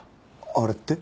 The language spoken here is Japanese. あれって？